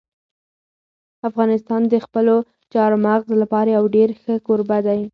افغانستان د خپلو چار مغز لپاره یو ډېر ښه کوربه دی.